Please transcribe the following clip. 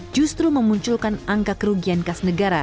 justru memunculkan angka kerugian kas negara